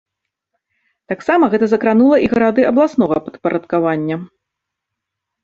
Таксама гэта закранула і гарады абласнога падпарадкавання.